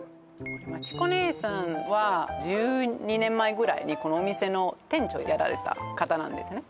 まち子姉さんは１２年前ぐらいにこのお店の店長やられた方なんですね